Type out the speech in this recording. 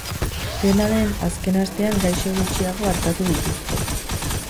Dena den, azken astean gaixo gutxiago artatu dituzte.